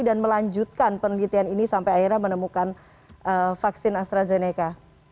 dan melanjutkan penelitian ini sampai akhirnya menemukan vaksin astrazeneca